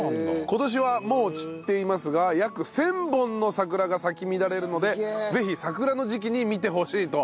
今年はもう散っていますが約１０００本の桜が咲き乱れるのでぜひ桜の時期に見てほしいと。